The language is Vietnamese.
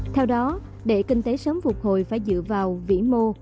theo đó để kinh tế sớm phục hồi phải dựa vào vĩ mô